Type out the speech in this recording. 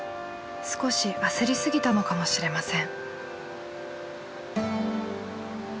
少し焦りすぎたのかもしれません。